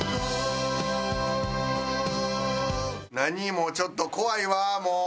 もうちょっと怖いわもう！